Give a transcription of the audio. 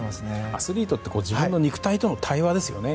アスリートって自分の肉体との対話ですよね